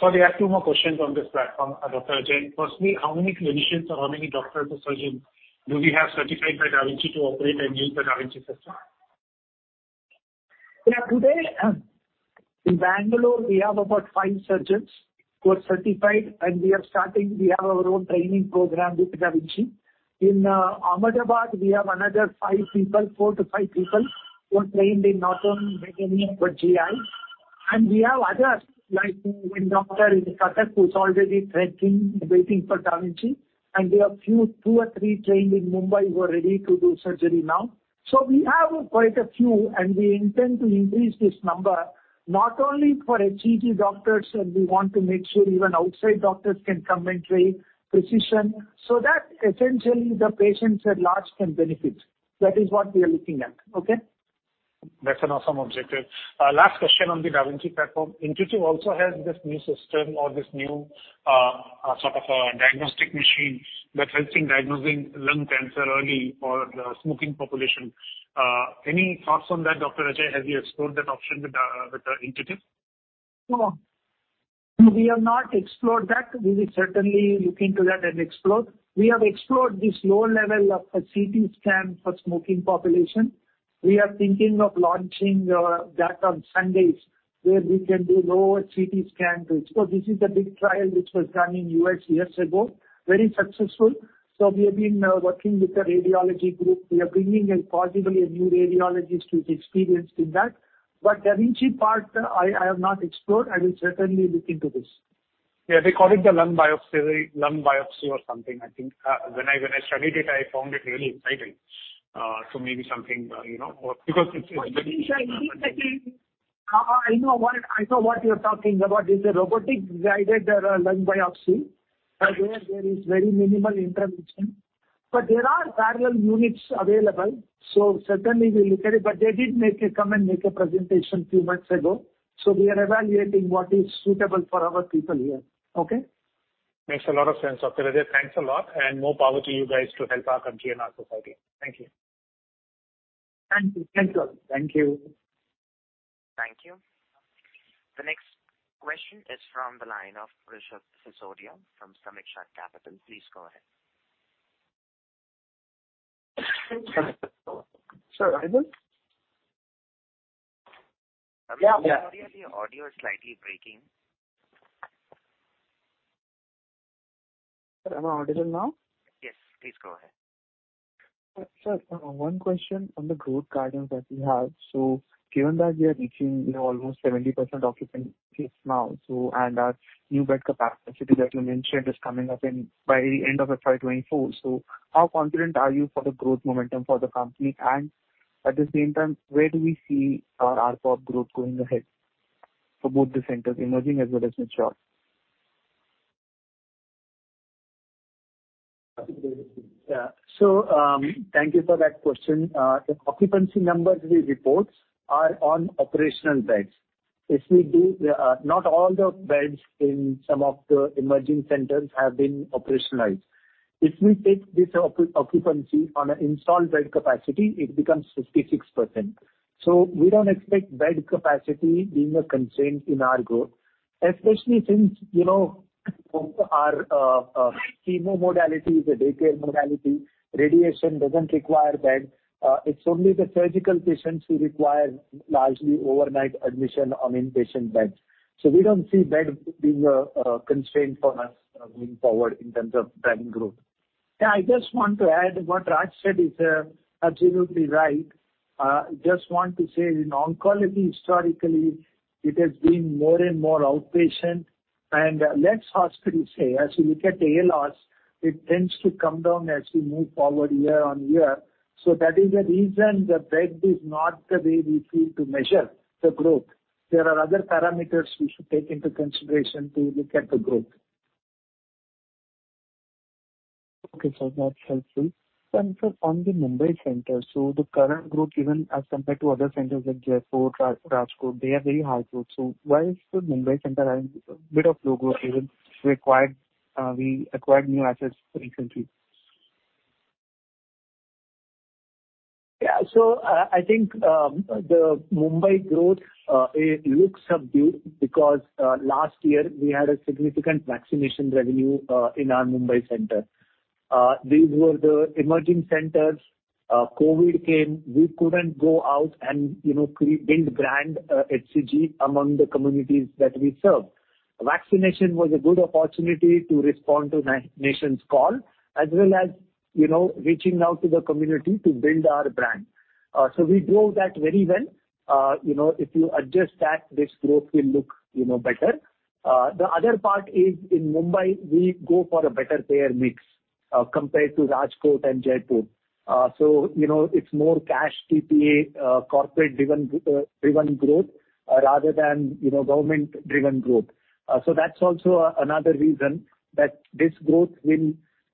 Sorry, I have two more questions on this platform, Dr. Ajai. Firstly, how many clinicians or how many doctors or surgeons do we have certified by da Vinci to operate and use the da Vinci system? Yeah. Today in Bangalore we have about five surgeons who are certified, and we have our own training program with da Vinci. In Ahmedabad, we have another five people, four to five people who are trained in not only hernia, but GI. We have others, like one doctor in Cuttack who's already training, waiting for da Vinci. We have two or three trained in Mumbai who are ready to do surgery now. We have quite a few, and we intend to increase this number not only for HCG doctors, and we want to make sure even outside doctors can come and train precision, so that essentially the patients at large can benefit. That is what we are looking at. Okay? That's an awesome objective. Last question on the da Vinci platform. Intuitive also has this new system or this new, sort of a diagnostic machine that helps in diagnosing lung cancer early for the smoking population. Any thoughts on that, Dr. Ajai? Have you explored that option with Intuitive? No. We have not explored that. We will certainly look into that and explore. We have explored this low level of a CT scan for smoking population. We are thinking of launching that on Sundays, where we can do lower CT scan. This is the big trial which was done in US years ago. Very successful. We have been working with a radiology group. We are bringing in possibly a new radiologist who is experienced in that. da Vinci part, I have not explored. I will certainly look into this. Yeah, they call it the liquid biopsy or something, I think. When I studied it, I found it really exciting. Maybe something, you know, or because it's very. I think, I know what you're talking about. It's a robotic-guided liquid biopsy where there is very minimal intervention. There are parallel units available, so certainly we'll look at it. They did come and make a presentation few months ago. We are evaluating what is suitable for our people here. Okay? Makes a lot of sense, Dr. Ajai. Thanks a lot. More power to you guys to help our country and our society. Thank you. Thank you. Thanks a lot. Thank you. Thank you. The next question is from the line of Rishabh Sisodiya from Sameeksha Capital. Please go ahead. Sir, audible? Rishabh Sisodiya, your audio is slightly breaking. Sir, am I audible now? Yes, please go ahead. Sir, one question on the growth guidance that we have. Given that we are reaching, you know, almost 70% occupancies now, so, and our new bed capacity that you mentioned is coming up in by end of FY 2024, so how confident are you for the growth momentum for the company? At the same time, where do we see our ARPOB growth going ahead for both the centers, emerging as well as mature? Yeah. Thank you for that question. The occupancy numbers we report are on operational beds. If we do, not all the beds in some of the emerging centers have been operationalized. If we take this occupancy on an installed bed capacity, it becomes 66%. We don't expect bed capacity being a constraint in our growth, especially since, you know, our chemo modality is a daycare modality. Radiation doesn't require bed. It's only the surgical patients who require largely overnight admission on inpatient beds. We don't see bed being a constraint for us going forward in terms of driving growth. Yeah, I just want to add what Raj said is absolutely right. Just want to say in oncology historically, it has been more and more outpatient. Less hospital stay. As you look at ALOS, it tends to come down as we move forward year-on-year. That is the reason the bed is not the way we feel to measure the growth. There are other parameters we should take into consideration to look at the growth. Okay, sir. That's helpful. Sir, on the Mumbai center, the current growth even as compared to other centers like Jaipur, Rajkot, they are very high growth. Why is the Mumbai center having a bit of low growth even we acquired new assets recently? Yeah. I think the Mumbai growth it looks subdued because last year we had a significant vaccination revenue in our Mumbai center. These were the emerging centers. COVID came, we couldn't go out and, you know, build brand HCG among the communities that we serve. Vaccination was a good opportunity to respond to nation's call as well as, you know, reaching out to the community to build our brand. We drove that very well. You know, if you adjust that, this growth will look, you know, better. The other part is in Mumbai, we go for a better payer mix compared to Rajkot and Jaipur. You know, it's more cash TPA, corporate-driven growth rather than, you know, government-driven growth. That's also another reason that this growth will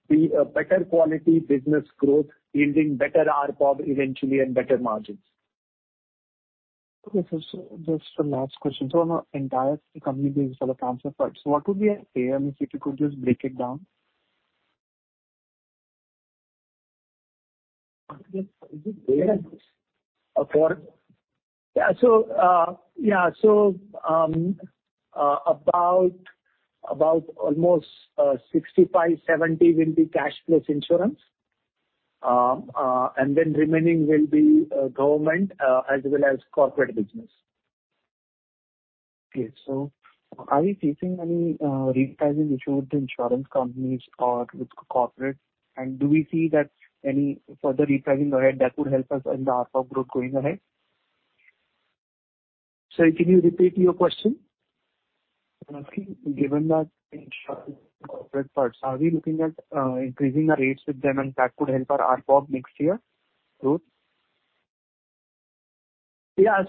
be a better quality business growth yielding better ARPOB eventually and better margins. Okay, sir. Just a last question. On our entire company base for the transfer price, what would be our payer mix, if you could just break it down? Pardon? Yeah, yeah. About almost 65%, 70% will be cash plus insurance. Remaining will be government as well as corporate business. Okay. Are you facing any repricing issue with the insurance companies or with corporate? Do we see that any further repricing ahead that would help us in the ARPOB growth going ahead? Sorry, can you repeat your question? Asking, given that insurance corporate parts, are we looking at, increasing the rates with them and that could help our ARPOB next year growth? Yeah.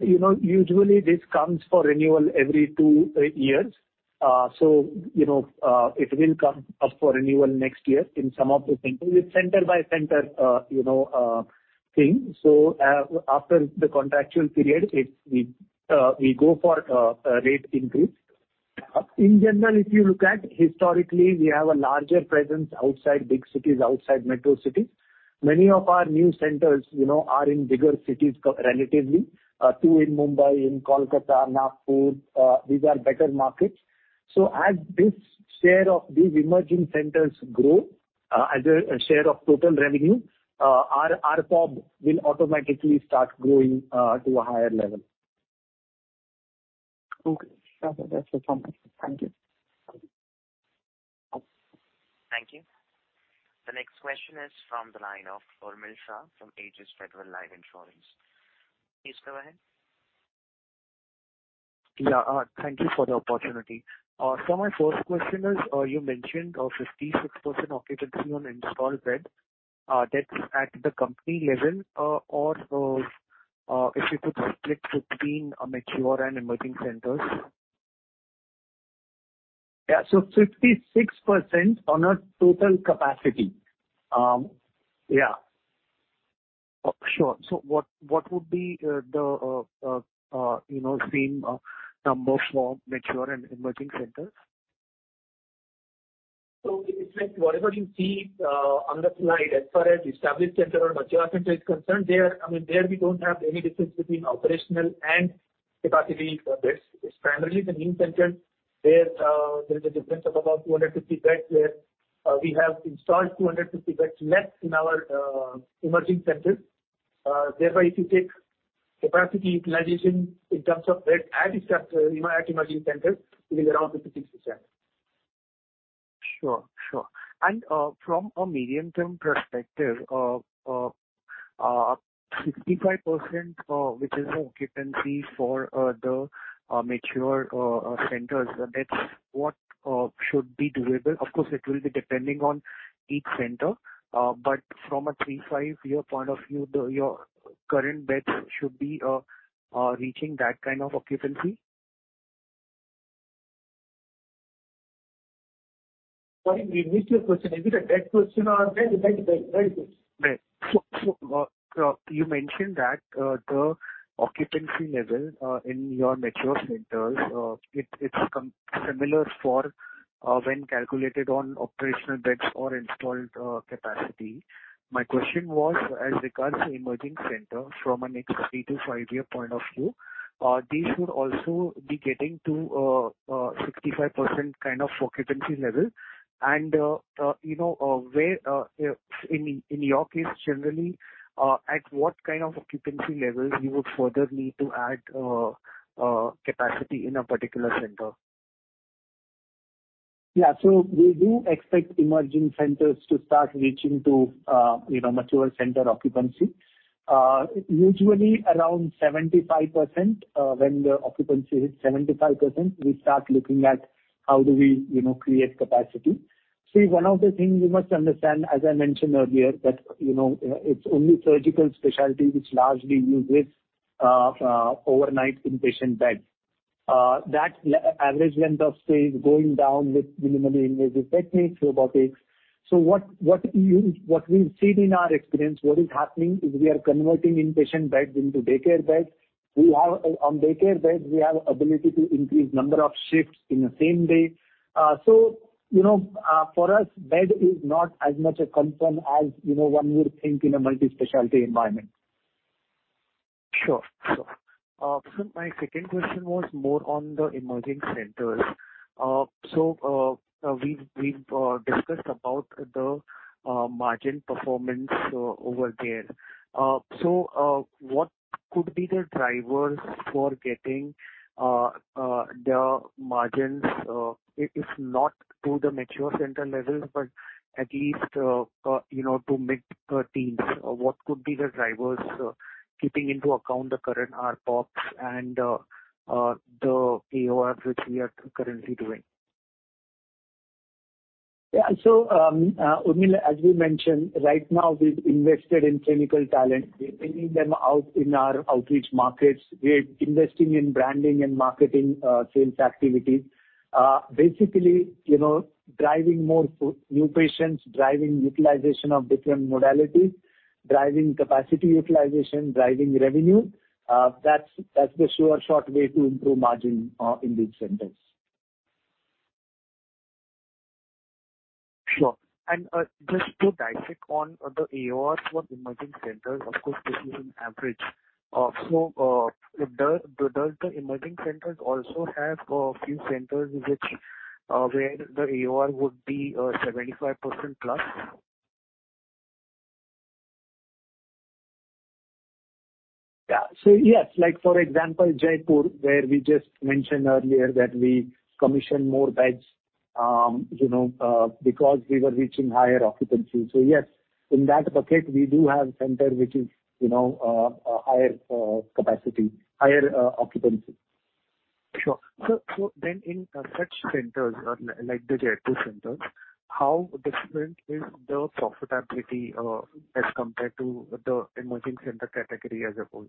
you know, usually this comes for renewal every two years. you know, it will come up for renewal next year in some of the centers. It's center by center, you know, thing. After the contractual period, we go for a rate increase. In general, if you look at historically, we have a larger presence outside big cities, outside metro cities. Many of our new centers, you know, are in bigger cities co-relatively, two in Mumbai, in Kolkata, Nagpur. These are better markets. As this share of these emerging centers grow, as a share of total revenue, our ARPOB will automatically start growing to a higher level. Okay. That's it. That's it from my side. Thank you. Thank you. Thank you. The next question is from the line of Urmil Shah from Ageas Federal Life Insurance. Please go ahead. Yeah. Thank you for the opportunity. My first question is, you mentioned a 56% occupancy on installed bed. That's at the company level, or, if you could split between mature and emerging centers? Yeah. 56% on our total capacity. Yeah. Oh, sure. What would be the, you know, same number for mature and emerging centers? It's like whatever you see on the slide as far as established center or mature center is concerned there, I mean, there we don't have any difference between operational and capacity beds. It's primarily the new centers where there's a difference of about 250 beds where we have installed 250 beds less in our emerging centers. Therefore, if you take capacity utilization in terms of beds at established you know, at emerging centers, it is around 56%. Sure. Sure. From a medium-term perspective, 65%, which is the occupancy for the mature centers, that's what should be doable. Of course, it will be depending on each center. But from a 3-5 year point of view, your current beds should be reaching that kind of occupancy. Sorry, we missed your question. Is it a bed question or bed. Bed question. Bed. You mentioned that the occupancy level in your mature centers, it's similar for when calculated on operational beds or installed capacity. My question was as regards to emerging centers from a next three to five-year point of view, these would also be getting to 65% kind of occupancy level and, you know, where, if in your case generally, at what kind of occupancy levels you would further need to add capacity in a particular center? Yeah. We do expect emerging centers to start reaching to, you know, mature center occupancy. Usually around 75%. When the occupancy hits 75%, we start looking at how do we, you know, create capacity. See, one of the things you must understand, as I mentioned earlier, that, you know, it's only surgical specialty which largely uses overnight inpatient beds. That average length of stay is going down with minimally invasive techniques, robotics. What we've seen in our experience, what is happening is we are converting inpatient beds into daycare beds. On daycare beds, we have ability to increase number of shifts in the same day. You know, for us, bed is not as much a concern as, you know, one would think in a multi-specialty environment. Sure. Sure. Sir, my second question was more on the emerging centers. We've discussed about the, margin performance, over there. What could be the drivers for getting, the margins, if not to the mature center levels, but at least, you know, to mid-teens? What could be the drivers, keeping into account the current ARPOB and, the AORs which we are currently doing? Urmil, as we mentioned, right now we've invested in clinical talent. We're bringing them out in our outreach markets. We're investing in branding and marketing, sales activities. Basically, you know, driving more new patients, driving utilization of different modalities, driving capacity utilization, driving revenue, that's the sure short way to improve margin, in these centers. Sure. just to dissect on the AOR for emerging centers, of course, this is an average. does the emerging centers also have a few centers which where the AOR would be 75%+? Yeah. Yes, like for example, Jaipur, where we just mentioned earlier that we commissioned more beds, you know, because we were reaching higher occupancy. Yes, in that bucket we do have center which is, you know, a higher capacity, higher occupancy. Sure. In such centers or like the Jaipur centers, how different is the profitability as compared to the emerging center category as a whole?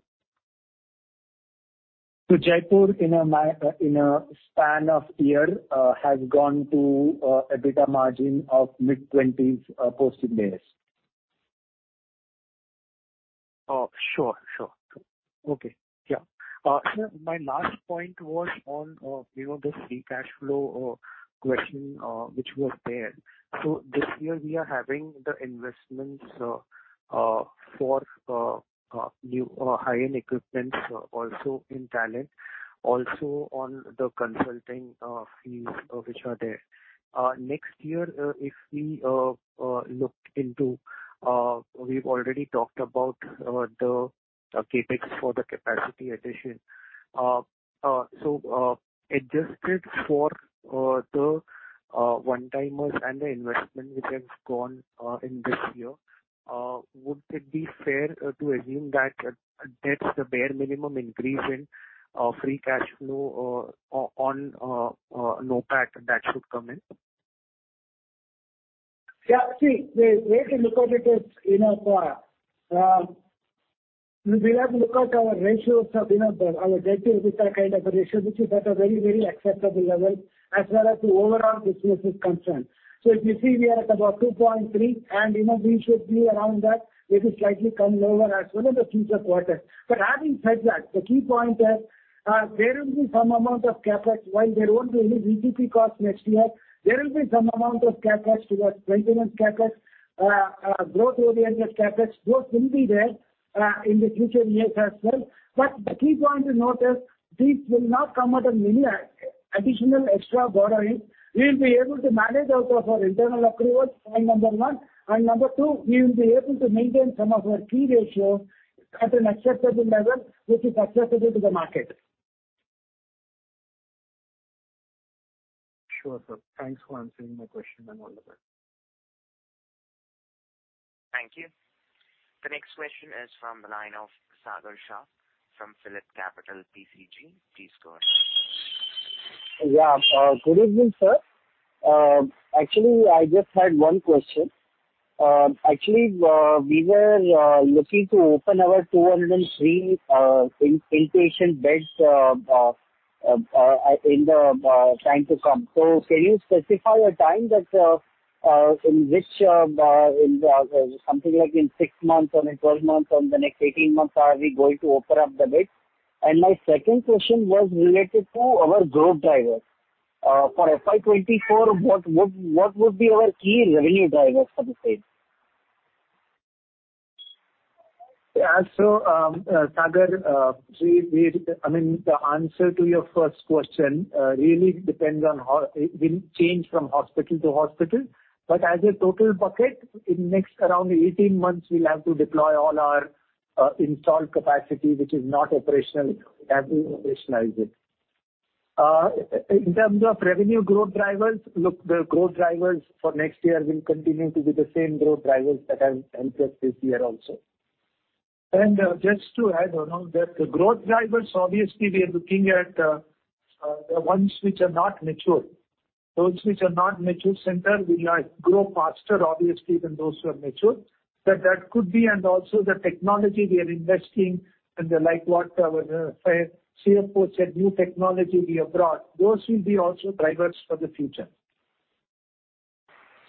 Jaipur in a span of year has gone to EBITDA margin of mid-20s posting basis. Oh, sure. Sure. Okay. Yeah. sir, my last point was on, you know, the free cash flow question, which was there. This year we are having the investments for new high-end equipments, also in talent, also on the consulting fees, which are there. Next year, if we look into, we've already talked about the CapEx for the capacity addition. adjusted for the one-timers and the investment which has gone in this year, would it be fair to assume that that's the bare minimum increase in free cash flow on NOPAT that should come in? Yeah, see, the way to look at it is, you know, we have to look at our ratios of, you know, our debt to EBITDA kind of a ratio, which is at a very, very acceptable level as well as the overall business is concerned. If you see we are at about 2.3 and you know we should be around that, maybe slightly come lower as well in the future quarters. Having said that, the key point is there will be some amount of CapEx. While there won't be any VGP costs next year, there will be some amount of CapEx towards maintenance CapEx, growth-oriented CapEx. Those will be there in the future years as well. The key point to note is these will not come at any additional extra borrowing. We'll be able to manage out of our internal accruals, point number one. Number two, we will be able to maintain some of our key ratios at an acceptable level which is acceptable to the market. Sure, sir. Thanks for answering my question and all the best. Thank you. The next question is from the line of Sagar Shah from PhillipCapital PCG. Please go ahead. Good evening, sir. Actually, I just had one question. Actually, we were looking to open our 203 inpatient beds in the time to come. Can you specify a time that in which in the... Something like in six months or in 12 months or in the next 18 months, are we going to open up the beds? My second question was related to our growth drivers. For FY24, what would be our key revenue drivers for the same? Sagar, I mean, the answer to your first question really depends on it will change from hospital to hospital. As a total bucket, in next around 18 months we'll have to deploy all our installed capacity which is not operational, and we'll operationalize it. In terms of revenue growth drivers, look, the growth drivers for next year will continue to be the same growth drivers that have helped us this year also. Just to add on that, the growth drivers, obviously we are looking at the ones which are not mature. Those which are not mature center will grow faster obviously than those who are mature. That could be and also the technology we are investing and the like what our CFO said, new technology we have brought, those will be also drivers for the future.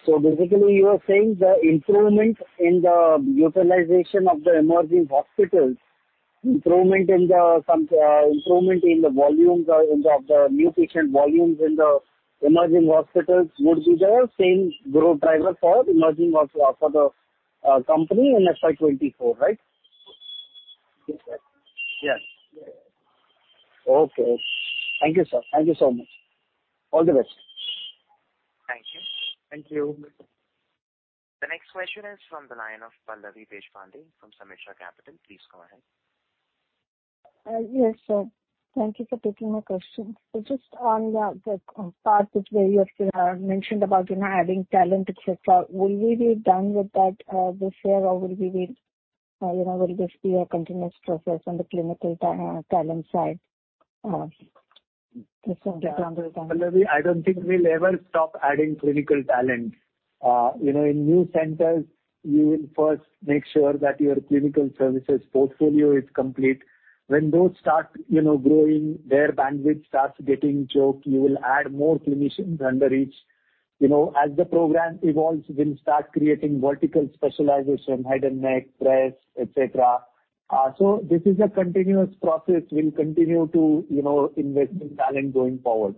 Basically you are saying the improvement in the utilization of the emerging hospitals, improvement in the volumes of the new patient volumes in the emerging hospitals would be the same growth driver for emerging hospital for the company in FY 2024, right? Yes, sir. Yes. Okay. Thank you, sir. Thank you so much. All the best. Thank you. Thank you. The next question is from the line of Pallavi Deshpande from Sameeksha Capital. Please go ahead. Yes, sir. Thank you for taking my question. Just on the part which where you have mentioned about, you know, adding talent, et cetera, will we be done with that this year or will we be, you know, will this be a continuous process on the clinical talent side? Pallavi, I don't think we'll ever stop adding clinical talent. You know, in new centers you will first make sure that your clinical services portfolio is complete. When those start, you know, growing, their bandwidth starts getting choked, you will add more clinicians under each. You know, as the program evolves, we'll start creating vertical specialization, head and neck, breast, et cetera. This is a continuous process. We'll continue to, you know, invest in talent going forward.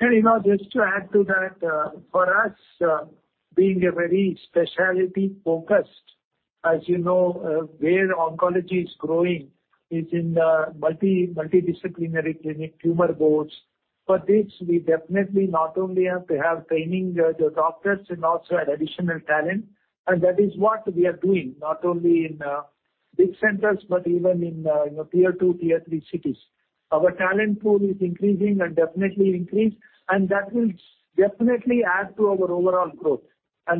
You know, just to add to that, for us, being a very specialty focused, as you know, where oncology is growing is in the multidisciplinary clinic, tumor boards. For this, we definitely not only have to have training the doctors and also add additional talent, and that is what we are doing, not only in big centers, but even in, you know, tier two, tier three cities. Our talent pool is increasing and definitely increased, and that will definitely add to our overall growth.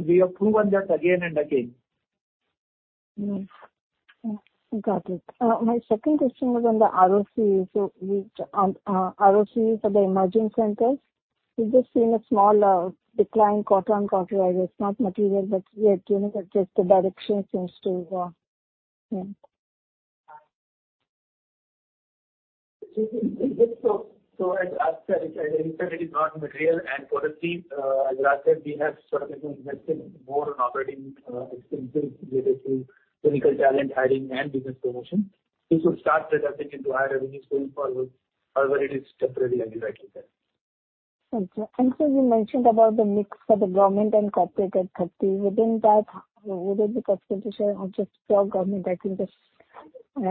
We have proven that again and again. Got it. My second question was on the ROC for the emerging centers. We've just seen a small decline quarter-on-quarter. I guess not material, we are doing it just the direction seems to. Yeah. As Raj said, it is non-material and for the fees, as Raj said, we have sort of, you know, invested more on operating expenses related to clinical talent adding and business promotion. This will start translating into higher revenues going forward. However, it is temporarily impacted there. Okay. Sir, you mentioned about the mix for the government and corporate at 30. Within that, would it be consultation or just pure government? I think the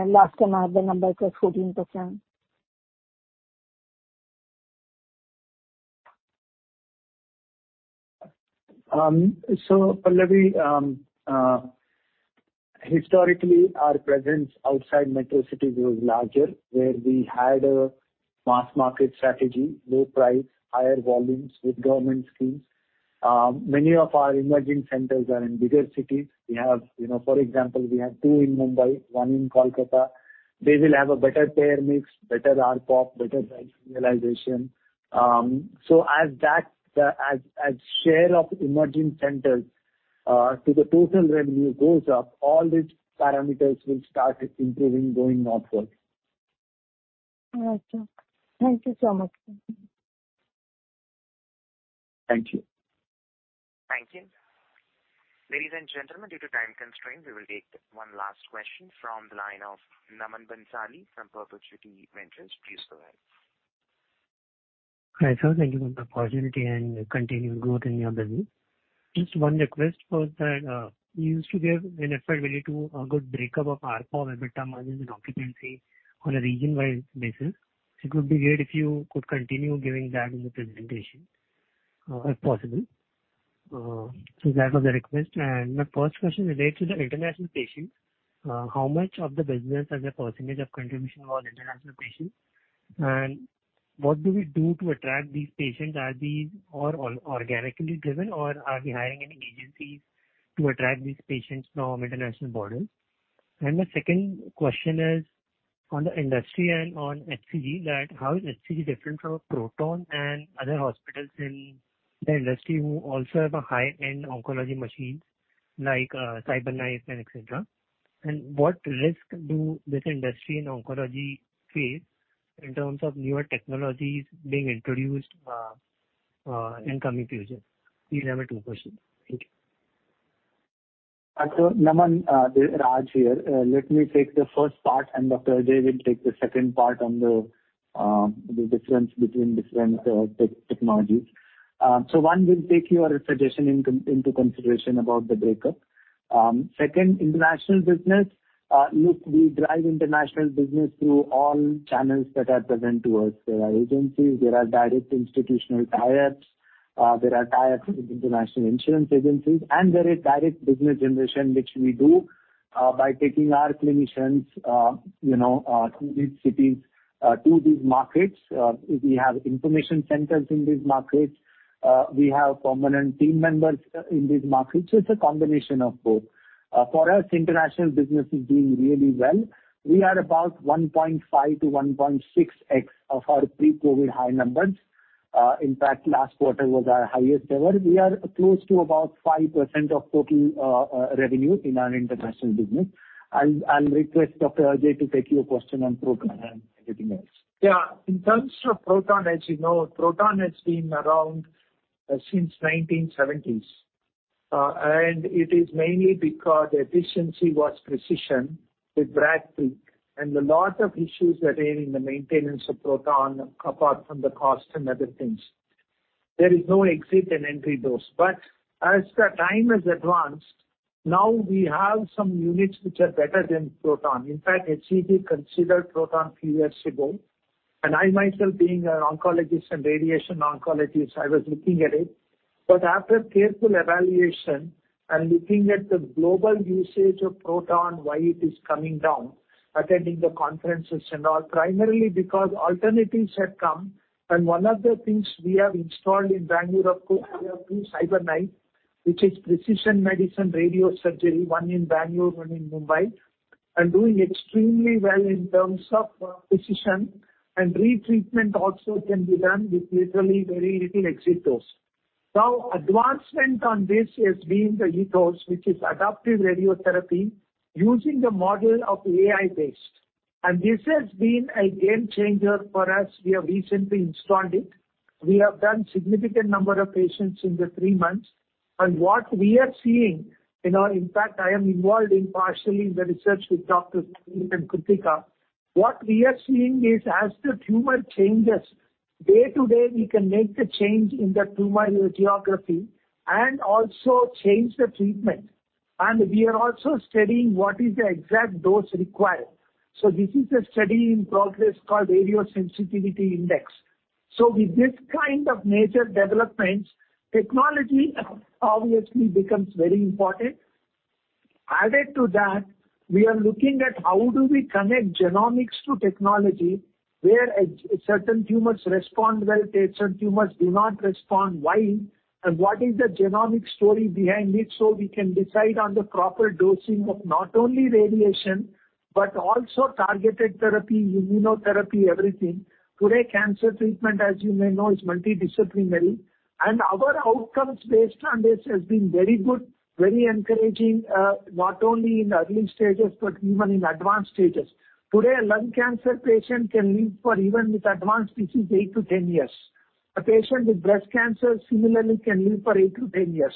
last time I had the number, it was 14%. Pallavi, historically our presence outside metro cities was larger, where we had a mass market strategy, low price, higher volumes with government schemes. Many of our emerging centers are in bigger cities. We have, you know, for example, we have two in Mumbai, one in Kolkata. They will have a better payer mix, better ARPO, better price realization. As share of emerging centers to the total revenue goes up, all these parameters will start improving going onwards. Gotcha. Thank you so much. Thank you. Thank you. Ladies and gentlemen, due to time constraints, we will take one last question from the line of Naman Bhansali from Perpetuity Ventures. Please go ahead. Hi, sir. Thank you for the opportunity and continued growth in your business. Just one request was that, you used to give in FY 2022 a good breakup of ARPO, EBITDA margins and occupancy on a region-wide basis. It would be great if you could continue giving that in the presentation, if possible. So that was the request. My first question relates to the international patients. How much of the business as a percentage of contribution was international patients? What do we do to attract these patients? Are these all organically driven or are we hiring any agencies to attract these patients from international borders? My second question is on the industry and on HCG, that how is HCG different from Proton and other hospitals in the industry who also have a high-end oncology machines like, CyberKnife and et cetera. What risk do this industry in oncology face in terms of newer technologies being introduced in coming future? These are my two questions. Thank you. Naman, this is Raj here. Let me take the first part and Dr. Ajai will take the second part on the difference between different technologies. One, we'll take your suggestion into consideration about the breakup. Second, international business, look, we drive international business through all channels that are present to us. There are agencies, there are direct institutional tie-ups, there are tie-ups with international insurance agencies, and there is direct business generation which we do by taking our clinicians, you know, to these cities, to these markets. We have information centers in these markets. We have permanent team members in these markets. It's a combination of both. For us, international business is doing really well. We are about 1.5x-1.6x of our pre-COVID high numbers. In fact, last quarter was our highest ever. We are close to about 5% of total revenue in our international business. I'll request Dr. Ajai to take your question on proton and everything else. Yeah. In terms of proton, as you know, proton has been around since 1970s. It is mainly because the efficiency was precision with brachy. A lot of issues that are in the maintenance of proton, apart from the cost and other things. There is no exit and entry dose. As the time has advanced, now we have some units which are better than proton. In fact, HCG considered proton a few years ago, and I myself being an oncologist and radiation oncologist, I was looking at it. After careful evaluation and looking at the global usage of proton, why it is coming down, attending the conferences and all, primarily because alternatives had come. One of the things we have installed in Bangalore, of course, we have two CyberKnife, which is precision medicine radiosurgery, one in Bangalore, one in Mumbai, doing extremely well in terms of precision. Retreatment also can be done with literally very little exit dose. Now advancement on this has been the Ethos, which is adaptive radiotherapy using the model of AI-based. This has been a game changer for us. We have recently installed it. We have done significant number of patients in the three months. What we are seeing, you know, in fact, I am involved in partially the research with Dr. Sreeni and Krithika. What we are seeing is as the tumor changes, day to day, we can make the change in the tumor radiography and also change the treatment. We are also studying what is the exact dose required. This is a study in progress called radiosensitivity index. With this kind of major developments, technology obviously becomes very important. Added to that, we are looking at how do we connect genomics to technology, where certain tumors respond well, certain tumors do not respond, why, and what is the genomic story behind it, so we can decide on the proper dosing of not only radiation, but also targeted therapy, immunotherapy, everything. Today, cancer treatment, as you may know, is multidisciplinary, and our outcomes based on this has been very good, very encouraging, not only in early stages, but even in advanced stages. Today, a lung cancer patient can live for even with advanced disease, 8 to 10 years. A patient with breast cancer similarly can live for 8 to 10 years.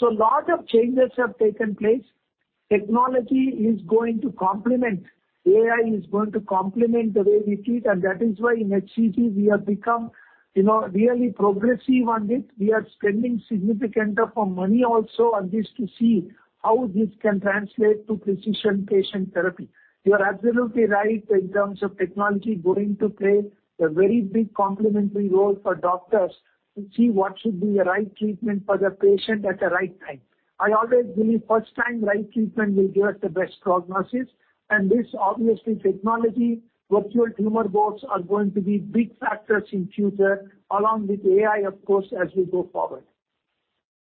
A lot of changes have taken place. Technology is going to complement. AI is going to complement the way we treat, and that is why in HCG we have become, you know, really progressive on it. We are spending significant money also on this to see how this can translate to precision patient therapy. You are absolutely right in terms of technology going to play a very big complementary role for doctors to see what should be the right treatment for the patient at the right time. I always believe first time right treatment will give the best prognosis. This obviously technology, virtual tumor boards are going to be big factors in future along with AI, of course, as we go forward.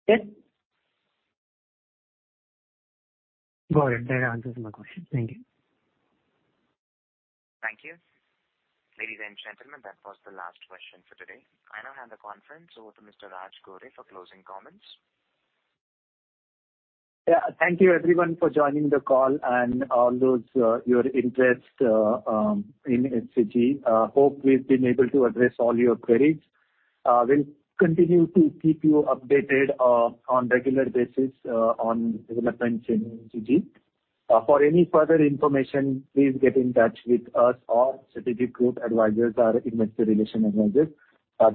Okay? Got it. That answers my question. Thank you. Thank you. Ladies and gentlemen, that was the last question for today. I now hand the conference over to Mr. Raj Gore for closing comments. Yeah. Thank you everyone for joining the call and all those, your interest in HCG. Hope we've been able to address all your queries. We'll continue to keep you updated on regular basis on developments in HCG. For any further information, please get in touch with us or Strategic Growth Advisors, our investor relation advisors.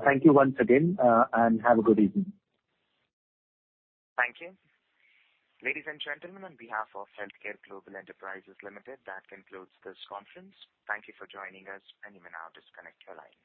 Thank you once again and have a good evening. Thank you. Ladies and gentlemen, on behalf of HealthCare Global Enterprises Limited, that concludes this conference. Thank you for joining us. You may now disconnect your line.